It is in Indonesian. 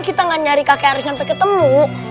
kita gak nyari kakek aris sampai ketemu